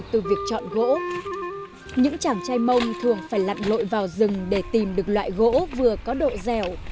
từ việc chọn gỗ những chàng trai mông thường phải lặn lội vào rừng để tìm được loại gỗ vừa có độ dẻo